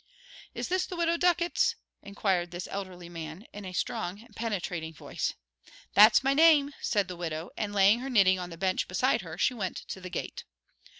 "Is this the Widow Ducket's?" inquired this elderly man, in a strong, penetrating voice. "That's my name," said the widow, and laying her knitting on the bench beside her, she went to the gate.